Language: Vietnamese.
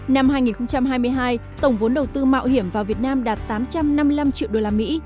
năm hai nghìn hai mươi hai tổng vốn đầu tư mạo hiểm vào việt nam đạt tám trăm năm mươi năm triệu đô la mỹ